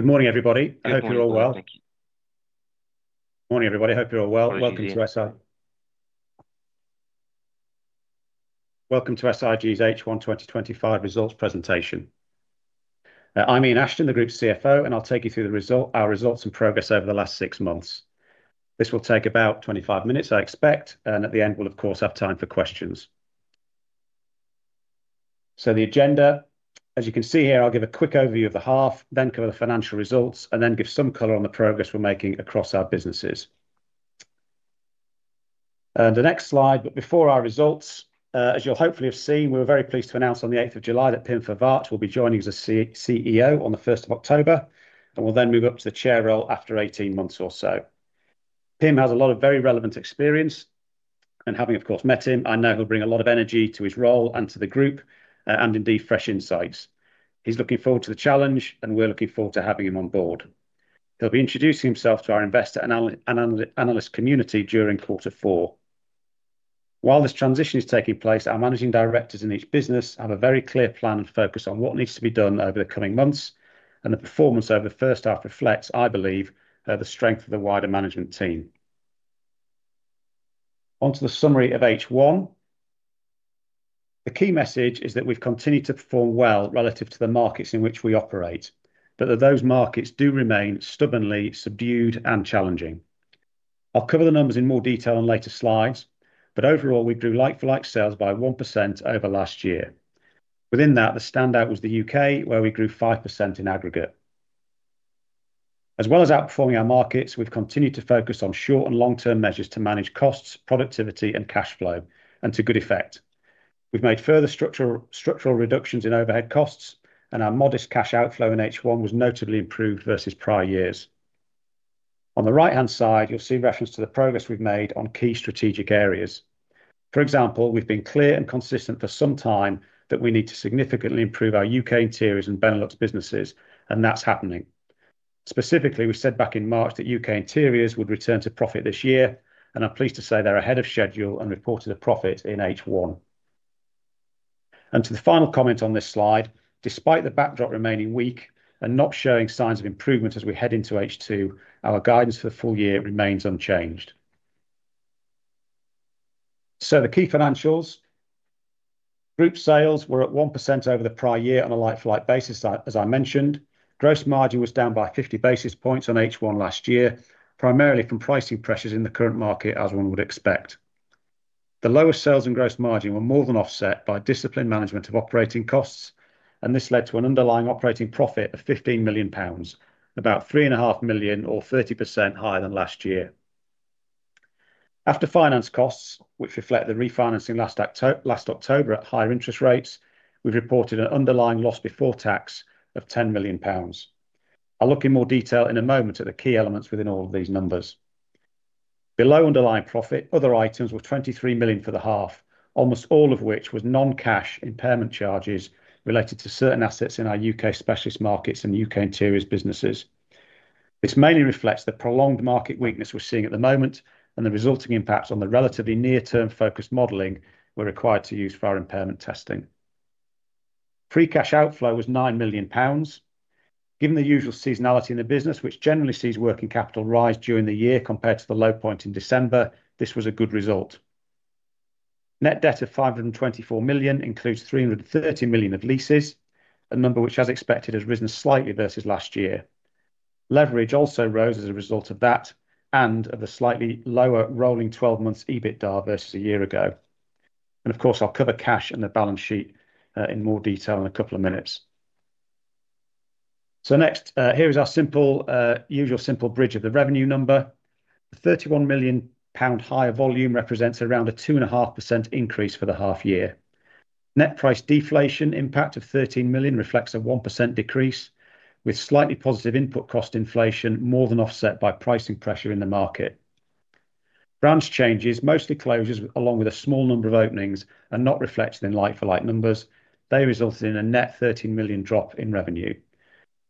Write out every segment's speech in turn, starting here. Good morning, everybody. I hope you're all well. Welcome to SIG's H1 2025 Results Presentation. I'm Ian Ashton, the group's CFO, and I'll take you through our results and progress over the last six months. This will take about 25 minutes, I expect, and at the end, we'll, of course, have time for questions. The agenda, as you can see here, I'll give a quick overview of the half, then cover the financial results, and then give some color on the progress we're making across our businesses. Before our results, as you'll hopefully have seen, we were very pleased to announce on 8th of July that Pim Vervaat will be joining as CEO on the 1st of October, and will then move up to the chair role after 18 months or so. Pim has a lot of very relevant experience, and having, of course, met him, I know he'll bring a lot of energy to his role and to the group, and indeed fresh insights. He's looking forward to the challenge, and we're looking forward to having him on board. He'll be introducing himself to our investor and analyst community during quarter four. While this transition is taking place, our Managing Directors in each business have a very clear plan and focus on what needs to be done over the coming months, and the performance over the first half reflects, I believe, the strength of the wider management team. Onto the summary of H1. The key message is that we've continued to perform well relative to the markets in which we operate, but those markets do remain stubbornly subdued and challenging. I'll cover the numbers in more detail on later slides, but overall, we grew like-for-like sales by 1% over last year. Within that, the standout was the U.K., where we grew 5% in aggregate. As well as outperforming our markets, we've continued to focus on short and long-term measures to manage costs, productivity, and cash flow, and to good effect. We've made further structural reductions in overhead costs, and our modest cash outflow in H1 was notably improved versus prior years. On the right-hand side, you'll see reference to the progress we've made on key strategic areas. For example, we've been clear and consistent for some time that we need to significantly improve our U.K. interiors and Benelux businesses, and that's happening. Specifically, we said back in March that U.K. interiors would return to profit this year, and I'm pleased to say they're ahead of schedule and reported a profit in H1. To the final comment on this slide, despite the backdrop remaining weak and not showing signs of improvement as we head into H2, our guidance for the full year remains unchanged. The key financials: Group sales were at 1% over the prior year on a like-for-like basis, as I mentioned. Gross margin was down by 50 basis points on H1 last year, primarily from pricing pressures in the current market, as one would expect. The lower sales and gross margin were more than offset by disciplined management of operating costs, and this led to an underlying operating profit of 15 million pounds, about 3.5 million, or 30% higher than last year. After finance costs, which reflect the refinancing last October at higher interest rates, we've reported an underlying loss before tax of 10 million pounds. I'll look in more detail in a moment at the key elements within all of these numbers. Below underlying profit, other items were 23 million for the half, almost all of which was non-cash impairment charges related to certain assets in our U.K. specialist markets and U.K. interiors businesses. This mainly reflects the prolonged market weakness we're seeing at the moment, and the resulting impacts on the relatively near-term focused modeling we're required to use for our impairment testing. Free cash outflow was 9 million pounds. Given the usual seasonality in the business, which generally sees working capital rise during the year compared to the low point in December, this was a good result. Net debt of 524 million includes 330 million of leases, a number which, as expected, has risen slightly versus last year. Leverage also rose as a result of that and of a slightly lower rolling 12-month EBITDA versus a year ago. I'll cover cash and the balance sheet in more detail in a couple of minutes. Next, here is our usual simple bridge of the revenue number. The 31 million pound higher volume represents around a 2.5% increase for the half year. Net price deflation impact of 13 million reflects a 1% decrease, with slightly positive input cost inflation more than offset by pricing pressure in the market. Branch changes, mostly closures along with a small number of openings, are not reflected in like-for-like numbers. They resulted in a net 13 million drop in revenue.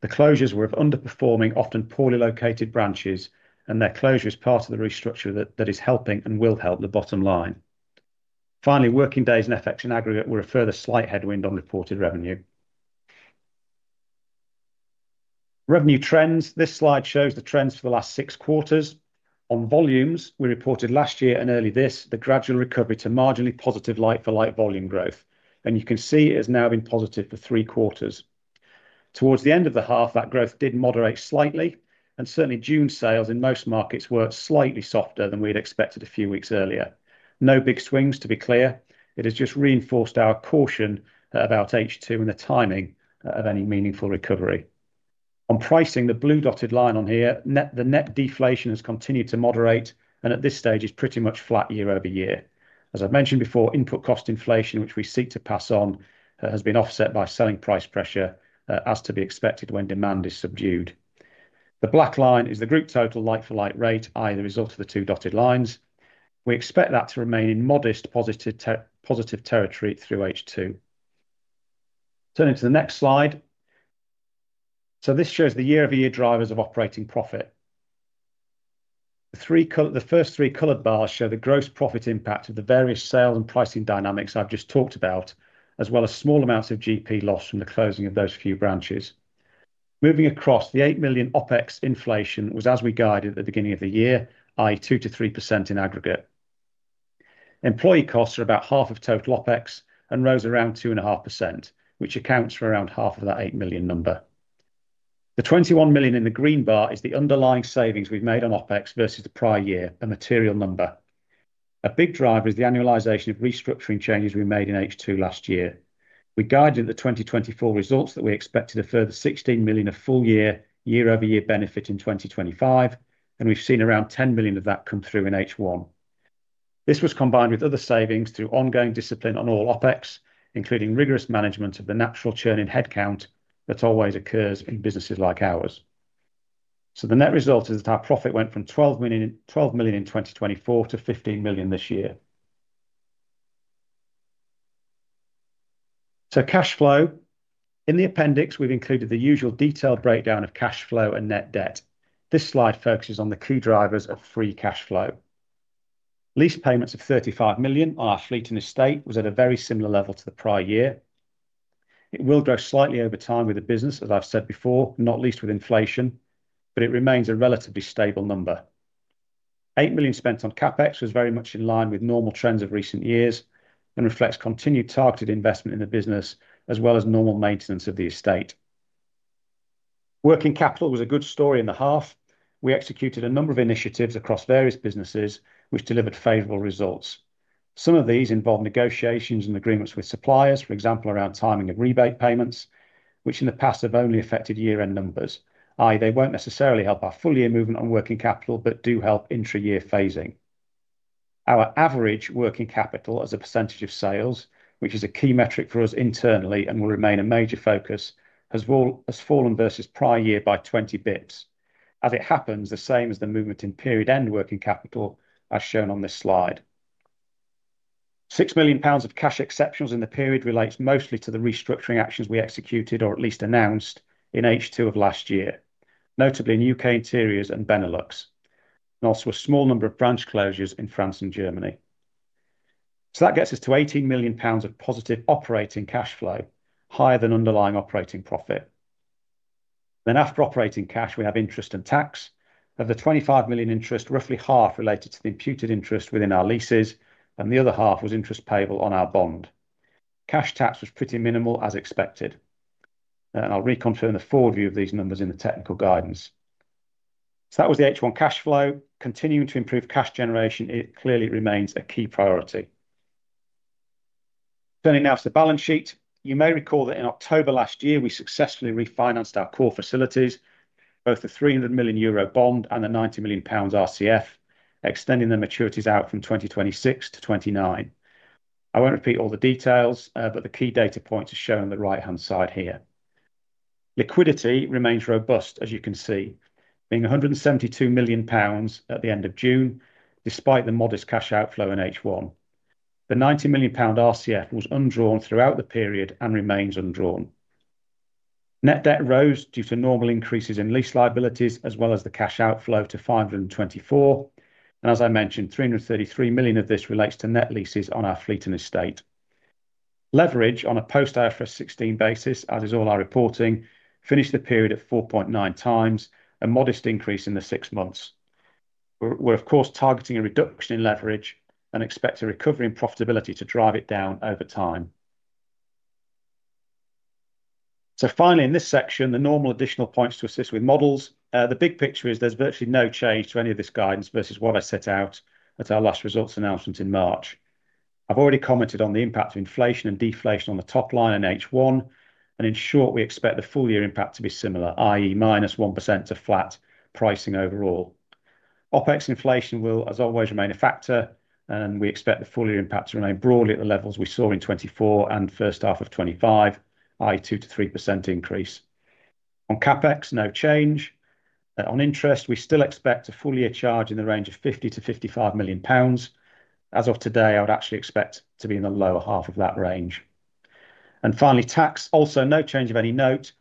The closures were of underperforming, often poorly located branches, and their closure is part of the restructure that is helping and will help the bottom line. Finally, working days in effect in aggregate were a further slight headwind on reported revenue. Revenue trends, this slide shows the trends for the last six quarters. On volumes, we reported last year and early this the gradual recovery to marginally positive like-for-like volume growth, and you can see it has now been positive for three quarters. Towards the end of the half, that growth did moderate slightly, and certainly June sales in most markets were slightly softer than we had expected a few weeks earlier. No big swings, to be clear. It has just reinforced our caution about H2 and the timing of any meaningful recovery. On pricing, the blue dotted line on here, the net deflation has continued to moderate, and at this stage, it's pretty much flat year over year. As I've mentioned before, input cost inflation, which we seek to pass on, has been offset by selling price pressure, as to be expected when demand is subdued. The black line is the group total like-for-like rate, i.e., the result of the two dotted lines. We expect that to remain in modest positive territory through H2. Turning to the next slide. This shows the year-over-year drivers of operating profit. The first three colored bars show the gross profit impact of the various sales and pricing dynamics I've just talked about, as well as small amounts of GP loss from the closing of those few branches. Moving across, the 8 million OpEx inflation was as we guided at the beginning of the year, i.e., 2%-3% in aggregate. Employee costs are about half of total OpEx and rose around 2.5%, which accounts for around half of that 8 million number. The 21 million in the green bar is the underlying savings we've made on OpEx versus the prior year, a material number. A big driver is the annualization of restructuring changes we made in H2 last year. We guided the 2024 results that we expected a further 16 million of full-year, year-over-year benefit in 2025, and we've seen around 10 million of that come through in H1. This was combined with other savings through ongoing discipline on all OpEx, including rigorous management of the natural churn in headcount that always occurs in businesses like ours. The net result is that our profit went from 12 million in 2024 to 15 million this year. In the appendix, we've included the usual detailed breakdown of cash flow and net debt. This slide focuses on the key drivers of free cash flow. Lease payments of 35 million on our fleet and estate was at a very similar level to the prior year. It will grow slightly over time with the business, as I've said before, not least with inflation, but it remains a relatively stable number. 8 million spent on CapEx was very much in line with normal trends of recent years and reflects continued targeted investment in the business, as well as normal maintenance of the estate. Working capital was a good story in the half. We executed a number of initiatives across various businesses, which delivered favorable results. Some of these involved negotiations and agreements with suppliers, for example, around timing of rebate payments, which in the past have only affected year-end numbers, i.e., they won't necessarily help our full-year movement on working capital, but do help intra-year phasing. Our average working capital as a percentage of sales, which is a key metric for us internally and will remain a major focus, has fallen versus prior year by 20 basis points. As it happens, the same as the movement in period end working capital, as shown on this slide. 6 million pounds of cash exceptions in the period relate mostly to the restructuring actions we executed, or at least announced, in H2 of last year, notably in U.K. interiors and Benelux, and also a small number of branch closures in France and Germany. That gets us to 18 million pounds of positive operating cash flow, higher than underlying operating profit. After operating cash, we have interest and tax. Of the 25 million interest, roughly half related to the imputed interest within our leases, and the other half was interest payable on our bond. Cash tax was pretty minimal, as expected. I'll reconfirm the forward view of these numbers in the technical guidance. That was the H1 cash flow. Continuing to improve cash generation clearly remains a key priority. Turning now to the balance sheet, you may recall that in October last year, we successfully refinanced our core facilities, both the 300 million euro bond and the 90 million pounds RCF, extending their maturities out from 2026-2029. I won't repeat all the details, but the key data points are shown on the right-hand side here. Liquidity remains robust, as you can see, being 172 million pounds at the end of June, despite the modest cash outflow in H1. The 90 million pound RCF was undrawn throughout the period and remains undrawn. Net debt rose due to normal increases in lease liabilities, as well as the cash outflow to 524 million, and as I mentioned, 333 million of this relates to net leases on our fleet and estate. Leverage on a post-IFRS 16 basis, as is all our reporting, finished the period at 4.9x, a modest increase in the six months. We're, of course, targeting a reduction in leverage and expect a recovery in profitability to drive it down over time. Finally, in this section, the normal additional points to assist with models. The big picture is there's virtually no change to any of this guidance versus what I set out at our last results announcement in March. I've already commented on the impact of inflation and deflation on the top line in H1, and in short, we expect the full-year impact to be similar, i.e., -1% to flat pricing overall. OpEx inflation will, as always, remain a factor, and we expect the full-year impact to remain broadly at the levels we saw in 2024 and first half of 2025, i.e., 2%-3% increase. On CapEx, no change. On interest, we still expect a full-year charge in the range of 50 million-55 million pounds. As of today, I would actually expect to be in the lower half of that range. Finally, tax, also no change of any note.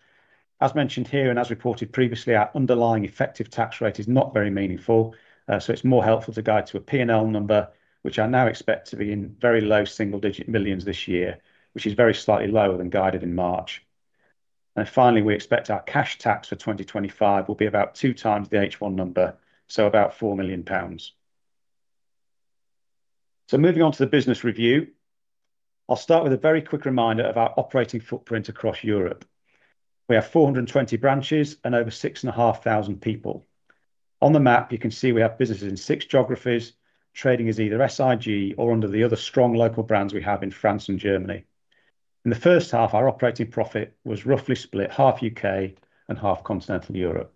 As mentioned here and as reported previously, our underlying effective tax rate is not very meaningful, so it's more helpful to guide to a P&L number, which I now expect to be in very low single-digit millions this year, which is very slightly lower than guided in March. We expect our cash tax for 2025 will be about two times the H1 number, so about 4 million pounds. Moving on to the business review, I'll start with a very quick reminder of our operating footprint across Europe. We have 420 branches and over 6,500 people. On the map, you can see we have businesses in six geographies. Trading is either SIG or under the other strong local brands we have in France and Germany. In the first half, our operating profit was roughly split half U.K. and half continental Europe.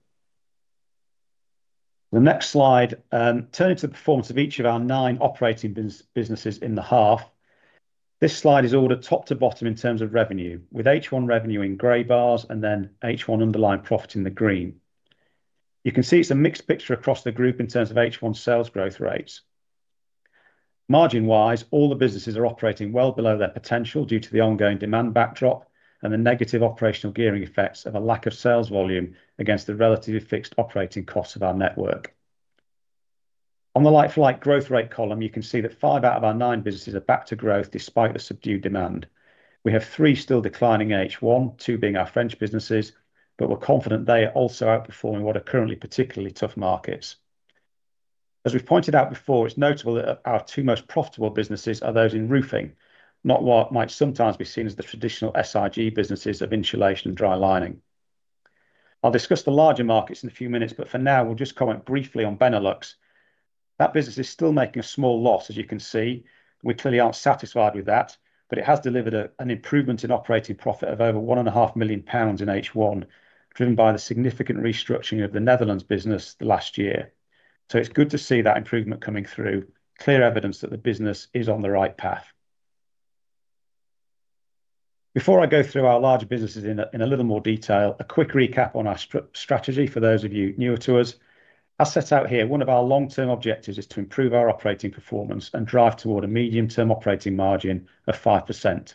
The next slide, turning to the performance of each of our nine operating businesses in the half, this slide is ordered top to bottom in terms of revenue, with H1 revenue in gray bars and then H1 underlying profit in the green. You can see it's a mixed picture across the group in terms of H1 sales growth rates. Margin-wise, all the businesses are operating well below their potential due to the ongoing demand backdrop and the negative operational gearing effects of a lack of sales volume against the relatively fixed operating costs of our network. On the like-for-like growth rate column, you can see that five out of our nine businesses are back to growth despite the subdued demand. We have three still declining in H1, two being our French businesses, but we're confident they are also outperforming what are currently particularly tough markets. As we've pointed out before, it's notable that our two most profitable businesses are those in roofing, not what might sometimes be seen as the traditional SIG businesses of insulation and dry lining. I'll discuss the larger markets in a few minutes. For now, we'll just comment briefly on Benelux. That business is still making a small loss, as you can see. We clearly aren't satisfied with that, but it has delivered an improvement in operating profit of over 1.5 million pounds in H1, driven by the significant restructuring of the Netherlands business last year. It's good to see that improvement coming through, clear evidence that the business is on the right path. Before I go through our larger businesses in a little more detail, a quick recap on our strategy for those of you newer to us. As set out here, one of our long-term objectives is to improve our operating performance and drive toward a medium-term operating margin of 5%.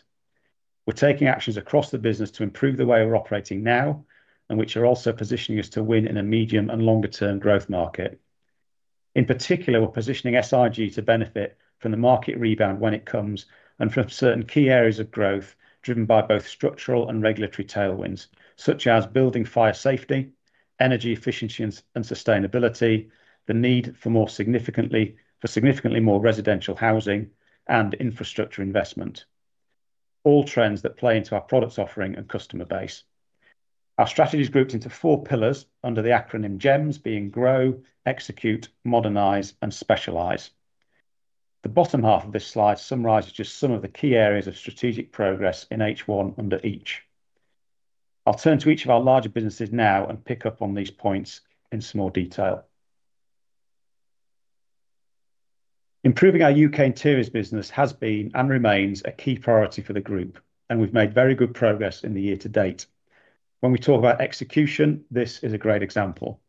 We're taking actions across the business to improve the way we're operating now, and which are also positioning us to win in a medium and longer-term growth market. In particular, we're positioning SIG to benefit from the market rebound when it comes and from certain key areas of growth driven by both structural and regulatory tailwinds, such as building fire safety, energy efficiency and sustainability, the need for significantly more residential housing, and infrastructure investment. All trends that play into our product offering and customer base. Our strategy is grouped into four pillars under the acronym GEMS, being Grow, Execute, Modernize, and Specialize. The bottom half of this slide summarizes just some of the key areas of strategic progress in H1 under each. I'll turn to each of our larger businesses now and pick up on these points in some more detail. Improving our U.K. interiors business has been and remains a key priority for the group, and we've made very good progress in the year to date. When we talk about execution, this is a great example.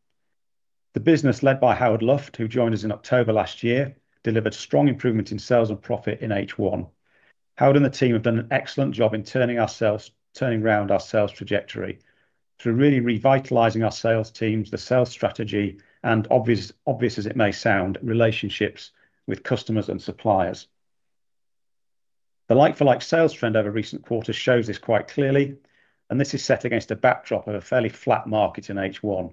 The business led by Howard Luft, who joined us in October last year, delivered strong improvements in sales and profit in H1. Howard and the team have done an excellent job in turning ourselves around our sales trajectory through really revitalizing our sales teams, the sales strategy, and, obvious as it may sound, relationships with customers and suppliers. The like-for-like sales trend over recent quarters shows this quite clearly, and this is set against a backdrop of a fairly flat market in H1.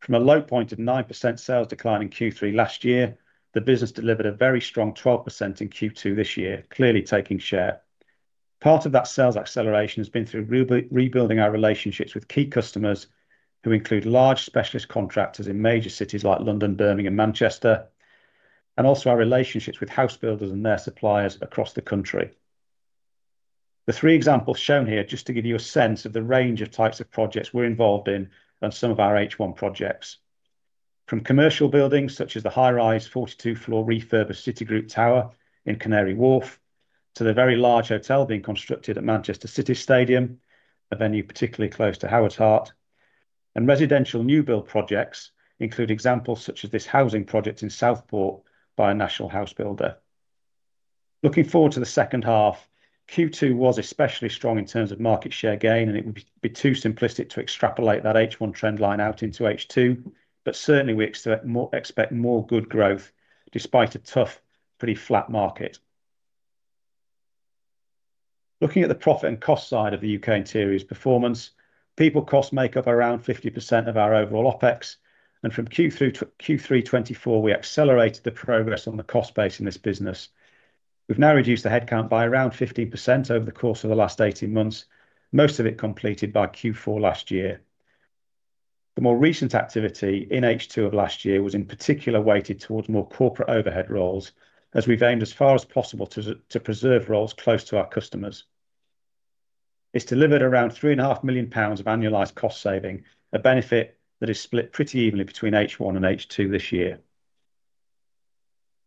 From a low point of 9% sales decline in Q3 last year, the business delivered a very strong 12% in Q2 this year, clearly taking share. Part of that sales acceleration has been through rebuilding our relationships with key customers who include large specialist contractors in major cities like London, Birmingham, Manchester, and also our relationships with house builders and their suppliers across the country. The three examples shown here just to give you a sense of the range of types of projects we're involved in on some of our H1 projects. From commercial buildings such as the high-rise 42-floor refurbished Citigroup Tower in Canary Wharf to the very large hotel being constructed at Manchester City Stadium, a venue particularly close to Howard's heart, and residential new build projects include examples such as this housing project in Southport by a national house builder. Looking forward to the second half, Q2 was especially strong in terms of market share gain, and it would be too simplistic to extrapolate that H1 trend line out into H2, but certainly we expect more good growth despite a tough, pretty flat market. Looking at the profit and cost side of the U.K. interiors performance, people costs make up around 50% of our overall OpEx, and from Q2 to Q3 2024, we accelerated the progress on the cost base in this business. We've now reduced the headcount by around 15% over the course of the last 18 months, most of it completed by Q4 last year. The more recent activity in H2 of last year was in particular weighted towards more corporate overhead roles, as we've aimed as far as possible to preserve roles close to our customers. It's delivered around 3.5 million pounds of annualized cost saving, a benefit that is split pretty evenly between H1 and H2 this year.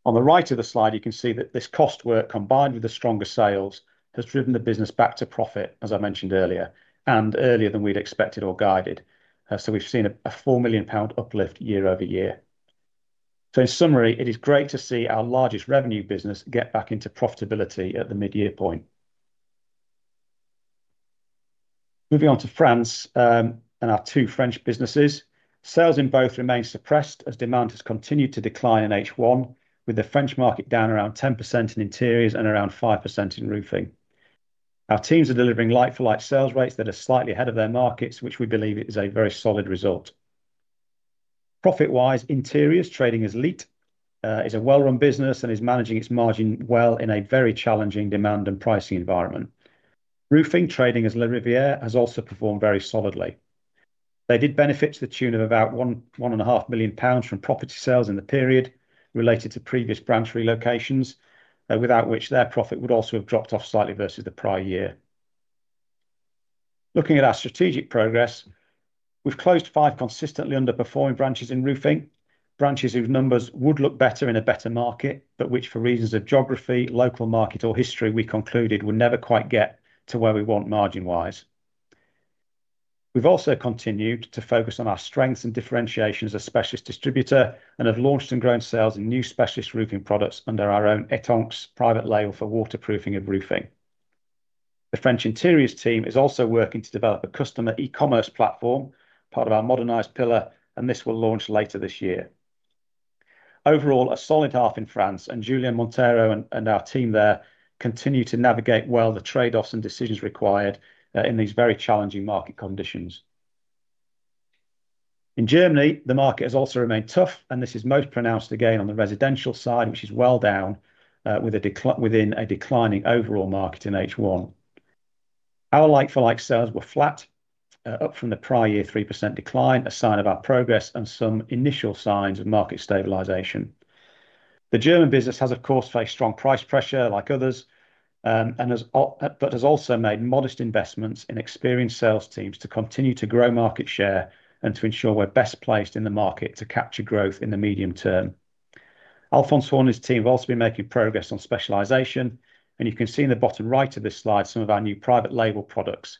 On the right of the slide, you can see that this cost work combined with the stronger sales has driven the business back to profit, as I mentioned earlier, and earlier than we'd expected or guided. We've seen a 4 million pound uplift year over year. In summary, it is great to see our largest revenue business get back into profitability at the mid-year point. Moving on to France and our two French businesses, sales in both remain suppressed as demand has continued to decline in H1, with the French market down around 10% in interiors and around 5% in roofing. Our teams are delivering like-for-like sales rates that are slightly ahead of their markets, which we believe is a very solid result. Profit-wise, interiors trading as Leat is a well-run business and is managing its margin well in a very challenging demand and pricing environment. Roofing trading as Le Riviere has also performed very solidly. They did benefit to the tune of about 1.5 million pounds from property sales in the period related to previous branch relocations, without which their profit would also have dropped off slightly versus the prior year. Looking at our strategic progress, we've closed five consistently underperforming branches in roofing, branches whose numbers would look better in a better market, but which for reasons of geography, local market, or history, we concluded would never quite get to where we want margin-wise. We've also continued to focus on our strengths and differentiations as a specialist distributor and have launched and grown sales in new specialist roofing products under our own Etanques private label for waterproofing and roofing. The French interiors team is also working to develop a customer e-commerce platform, part of our modernized pillar, and this will launch later this year. Overall, a solid half in France, and Julien Monteiro and our team there continue to navigate well the trade-offs and decisions required in these very challenging market conditions. In Germany, the market has also remained tough, and this is most pronounced again on the residential side, which is well down within a declining overall market in H1. Our like-for-like sales were flat, up from the prior year 3% decline, a sign of our progress and some initial signs of market stabilization. The German business has, of course, faced strong price pressure like others, but has also made modest investments in experienced sales teams to continue to grow market share and to ensure we're best placed in the market to capture growth in the medium term. Alfonso and his team have also been making progress on specialization, and you can see in the bottom right of this slide some of our new private label products.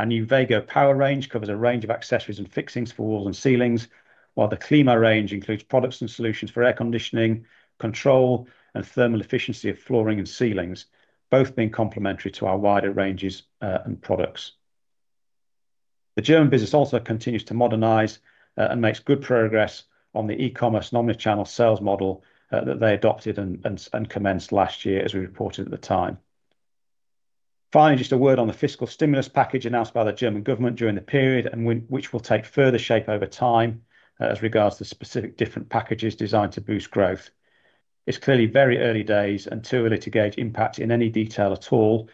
Our new Vega Power range covers a range of accessories and fixings for walls and ceilings, while the Klima range includes products and solutions for air conditioning, control, and thermal efficiency of flooring and ceilings, both being complementary to our wider ranges and products. The German business also continues to modernize and makes good progress on the e-commerce omnichannel sales model that they adopted and commenced last year, as we reported at the time. Finally, just a word on the fiscal stimulus package announced by the German government during the period, which will take further shape over time as regards to specific different packages designed to boost growth. It's clearly very early days and too early to gauge impact in any detail at all,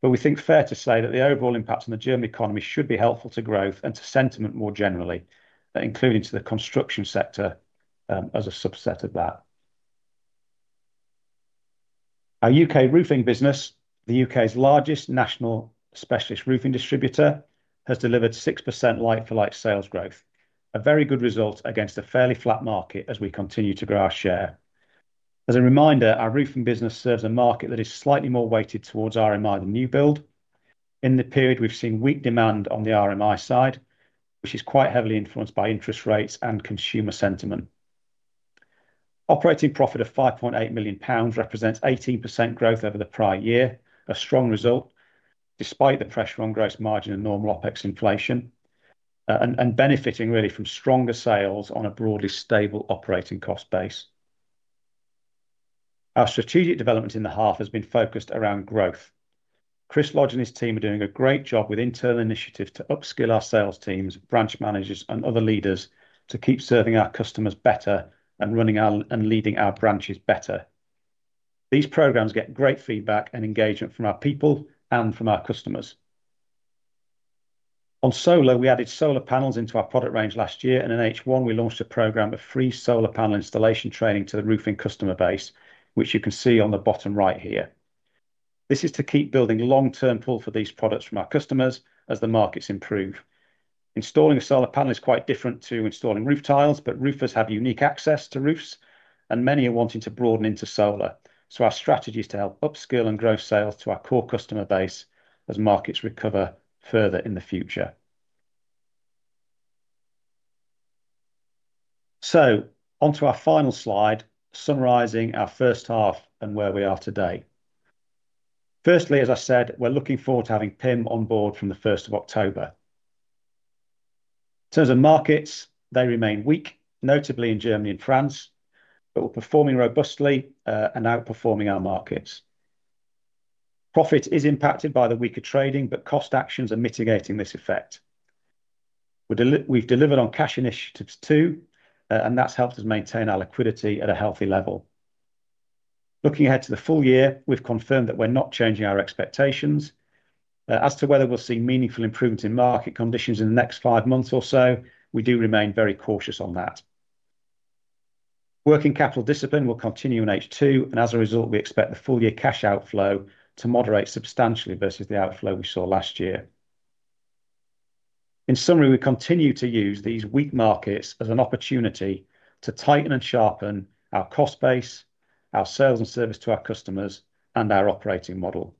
but we think fair to say that the overall impact on the German economy should be helpful to growth and to sentiment more generally, including to the construction sector as a subset of that. Our U.K. roofing business, the U.K.'s largest national specialist roofing distributor, has delivered 6% like-for-like sales growth, a very good result against a fairly flat market as we continue to grow our share. As a reminder, our roofing business serves a market that is slightly more weighted towards RMI than new build. In the period, we've seen weak demand on the RMI side, which is quite heavily influenced by interest rates and consumer sentiment. Operating profit of 5.8 million pounds represents 18% growth over the prior year, a strong result despite the pressure on gross margin and normal OpEx inflation, and benefiting really from stronger sales on a broadly stable operating cost base. Our strategic development in the half has been focused around growth. Chris Lodge and his team are doing a great job with internal initiatives to upskill our sales teams, branch managers, and other leaders to keep serving our customers better and running out and leading our branches better. These programs get great feedback and engagement from our people and from our customers. On solar, we added solar panels into our product range last year, and in H1, we launched a program of free solar panel installation training to the roofing customer base, which you can see on the bottom right here. This is to keep building long-term pull for these products from our customers as the markets improve. Installing a solar panel is quite different to installing roof tiles, but roofers have unique access to roofs, and many are wanting to broaden into solar. Our strategy is to help upskill and grow sales to our core customer base as markets recover further in the future. Onto our final slide, summarizing our first half and where we are today. Firstly, as I said, we're looking forward to having Pim on board from the 1st of October. In terms of markets, they remain weak, notably in Germany and France, but we're performing robustly and outperforming our markets. Profit is impacted by the weaker trading, but cost actions are mitigating this effect. We've delivered on cash initiatives too, and that's helped us maintain our liquidity at a healthy level. Looking ahead to the full year, we've confirmed that we're not changing our expectations. As to whether we'll see meaningful improvements in market conditions in the next five months or so, we do remain very cautious on that. Working capital discipline will continue in H2, and as a result, we expect the full-year cash outflow to moderate substantially versus the outflow we saw last year. In summary, we continue to use these weak markets as an opportunity to tighten and sharpen our cost base, our sales and service to our customers, and our operating model.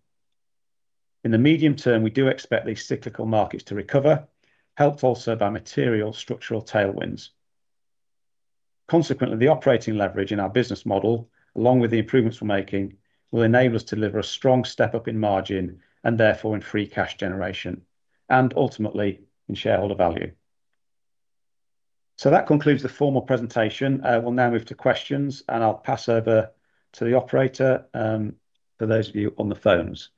In the medium term, we do expect these cyclical markets to recover, helped also by material structural tailwinds. Consequently, the operating leverage in our business model, along with the improvements we're making, will enable us to deliver a strong step up in margin and therefore in free cash generation and ultimately in shareholder value. That concludes the formal presentation. We'll now move to questions, and I'll pass over to the operator for those of you on the phones.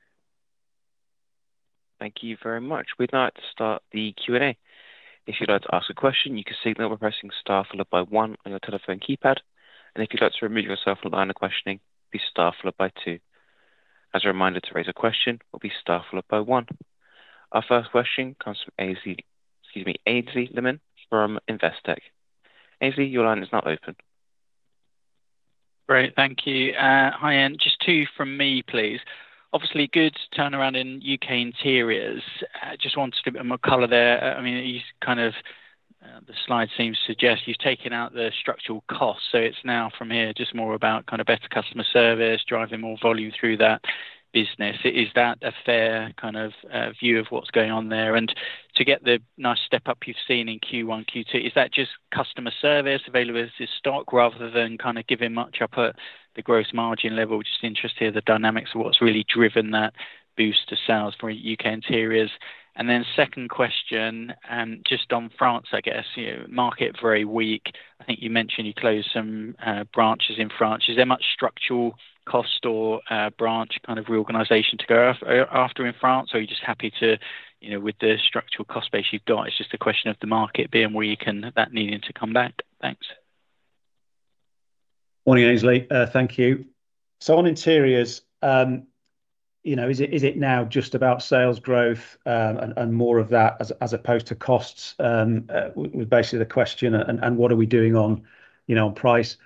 Thank you very much. We'd like to start the Q&A. If you'd like to ask a question, you can do so by pressing star followed by one on your telephone keypad. If you'd like to remove yourself from the line of questioning, please press star followed by two. As a reminder, to raise a question, please press star followed by one. Our first question comes from Aynsley Lammin from Investec. Aynsley, your line is now open. Great, thank you. Hi Ian, just two from me, please. Obviously, good turnaround in U.K. interiors. I just want a little bit more color there. I mean, the slide seems to suggest you've taken out the structural costs, so it's now from here just more about better customer service, driving more volume through that business. Is that a fair view of what's going on there? To get the nice step up you've seen in Q1, Q2, is that just customer service, availability of stock rather than giving much up at the gross margin level? I'm just interested in the dynamics of what's really driven that boost of sales for U.K. interiors. Second question, just on France, I guess, you know, market very weak. I think you mentioned you closed some branches in France. Is there much structural cost or branch reorganization to go after in France, or are you just happy with the structural cost base you've got? It's just a question of the market being weak and that needing to come back. Thanks. Morning Aynsley, thank you. On interiors, is it now just about sales growth and more of that as opposed to costs? The question is basically what are we doing on price.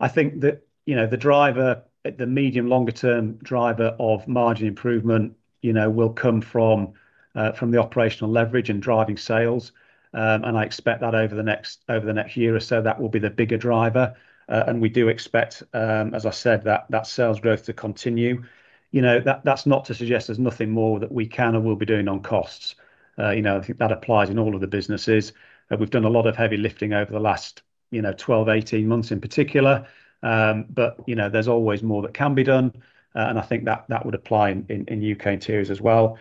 I think that the driver, the medium longer term driver of margin improvement, will come from the operational leverage and driving sales. I expect that over the next year or so, that will be the bigger driver. We do expect, as I said, that sales growth to continue. That's not to suggest there's nothing more that we can or will be doing on costs. I think that applies in all of the businesses. We've done a lot of heavy lifting over the last 12, 18 months in particular. There's always more that can be done, and I think that would apply in U.K. interiors as well.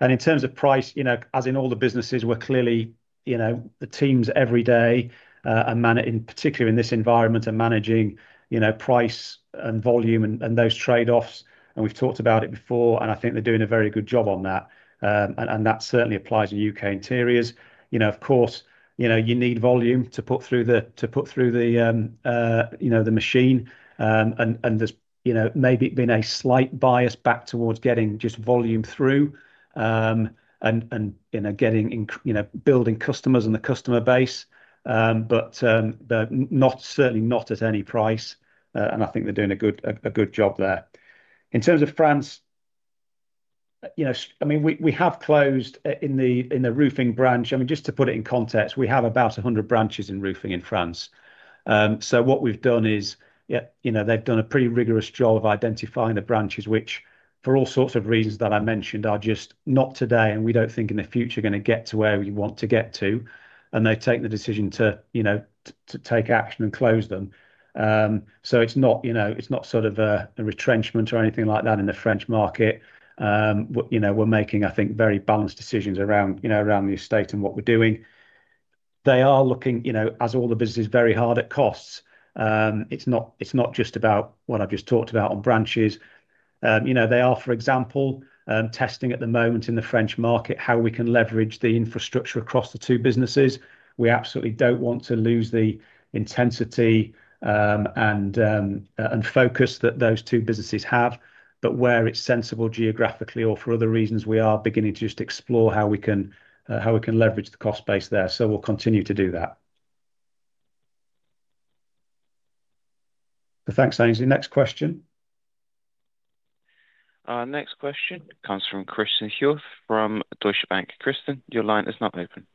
In terms of price, as in all the businesses, the teams every day, and in particular in this environment, are managing price and volume and those trade-offs. We've talked about it before, and I think they're doing a very good job on that. That certainly applies in U.K. interiors. Of course, you need volume to put through the machine. There's maybe been a slight bias back towards getting just volume through and building customers and the customer base, but certainly not at any price. I think they're doing a good job there. In terms of France, we have closed in the roofing branch. Just to put it in context, we have about 100 branches in roofing in France. What we've done is they've done a pretty rigorous job of identifying the branches which, for all sorts of reasons that I mentioned, are just not today, and we don't think in the future are going to get to where we want to get to. They've taken the decision to take action and close them. It's not a retrenchment or anything like that in the French market. We're making, I think, very balanced decisions around the estate and what we're doing. They are looking, as all the businesses, very hard at costs. It's not just about what I've just talked about on branches. You know, they are, for example, testing at the moment in the French market how we can leverage the infrastructure across the two businesses. We absolutely don't want to lose the intensity and focus that those two businesses have. Where it's sensible geographically or for other reasons, we are beginning to just explore how we can leverage the cost base there. We'll continue to do that. Thanks, Aynsley. Next question. Next question comes from Christen Hjorth from Deutsche Bank., your line is now open.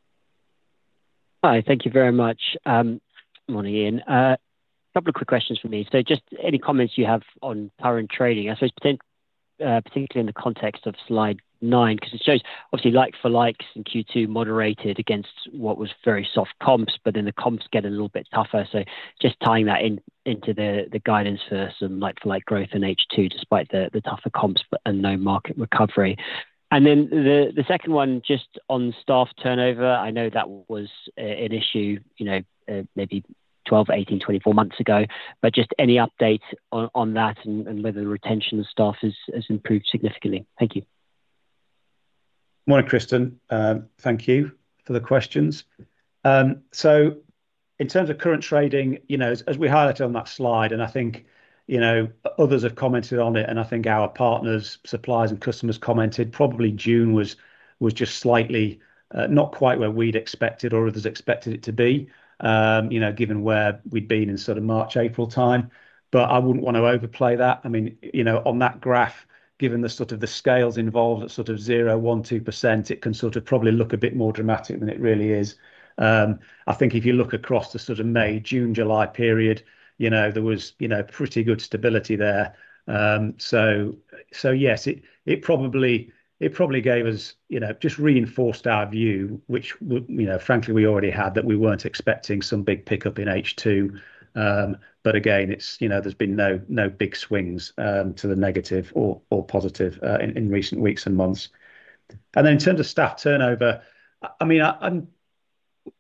Hi, thank you very much. Morning Ian. A couple of quick questions from me. Just any comments you have on current trading, particularly in the context of slide nine, because it shows obviously like-for-likes in Q2 moderated against what was very soft comps, but the comps get a little bit tougher. Just tying that into the guidance for some like-for-like growth in H2 despite the tougher comps and no market recovery. The second one just on staff turnover. I know that was an issue, maybe 12, 18, 24 months ago, but any updates on that and whether the retention of staff has improved significantly? Thank you. Morning Christen. Thank you for the questions. In terms of current trading, as we highlighted on that slide, and I think others have commented on it, and our partners, suppliers, and customers commented probably June was just slightly not quite where we'd expected or others expected it to be, given where we'd been in sort of March, April time. I wouldn't want to overplay that. On that graph, given the sort of the scales involved, that sort of 0, 1, 2%, it can probably look a bit more dramatic than it really is. If you look across the sort of May, June, July period, there was pretty good stability there. Yes, it probably gave us, just reinforced our view, which, frankly, we already had that we weren't expecting some big pickup in H2. Again, there's been no big swings to the negative or positive in recent weeks and months. In terms of staff turnover,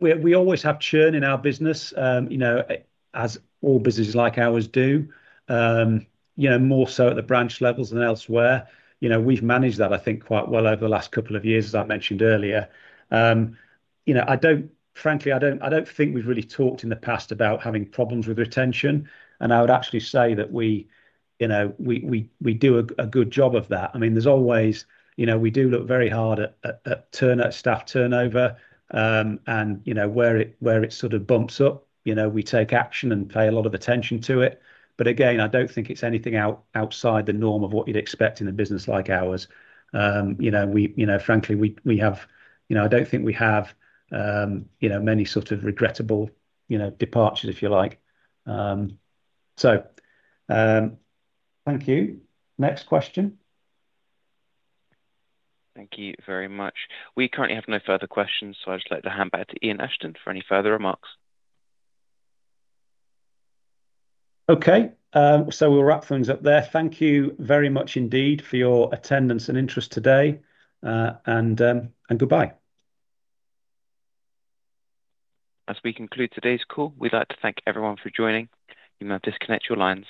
we always have churn in our business, as all businesses like ours do, more so at the branch levels than elsewhere. We've managed that, I think, quite well over the last couple of years, as I mentioned earlier. Frankly, I don't think we've really talked in the past about having problems with retention. I would actually say that we do a good job of that. We do look very hard at staff turnover and where it sort of bumps up, we take action and pay a lot of attention to it. Again, I don't think it's anything outside the norm of what you'd expect in a business like ours. Frankly, I don't think we have many sort of regrettable departures, if you like. Thank you. Next question. Thank you very much. We currently have no further questions, so I'd just like to hand back to Ian Ashton for any further remarks. Okay, we'll wrap things up there. Thank you very much indeed for your attendance and interest today, and goodbye. As we conclude today's call, we'd like to thank everyone for joining. You may disconnect your lines.